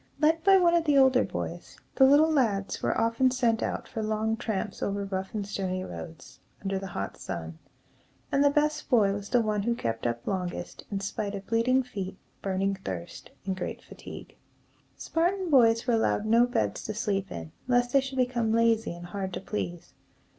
Led by one of the older boys, the little lads were often sent out for long tramps over rough and stony roads, under the hot sun; and the best boy was the one who kept up longest, in spite of bleeding feet, burning thirst, and great fatigue. Spartan boys were allowed no beds to sleep in, lest they should become lazy and hard to please.